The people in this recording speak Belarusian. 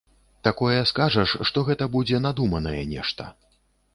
Такое скажаш, што гэта будзе надуманае нешта.